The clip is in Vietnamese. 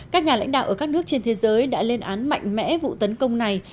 các nhà lãnh đạo ở các nước trên thế giới đã lên án mạnh mẽ vụ tấn công này